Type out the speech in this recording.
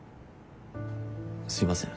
すいません。